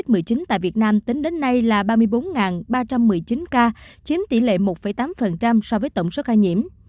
tổng số ca tử vong covid một mươi chín tại việt nam tính đến nay là ba mươi bốn ba trăm một mươi chín ca chiếm tỷ lệ một tám so với tổng số ca nhiễm